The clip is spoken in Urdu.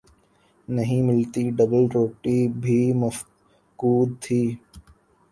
نہیں ملتی، ڈبل روٹی بھی مفقود تھی۔